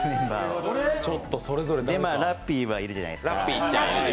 今、ラッピーはいるじゃないですか。